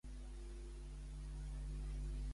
Quin any va començar a escriure a El Periódico?